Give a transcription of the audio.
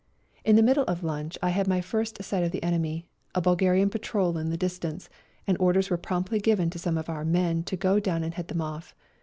In the middle of lunch I had my first sight of the enemy, a Bulgarian patrol in the distance, and orders were promptly given to some of our men to go down and head them off.